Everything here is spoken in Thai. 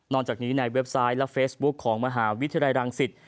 จากนี้ในเว็บไซต์และเฟซบุ๊คของมหาวิทยาลัยรังสิต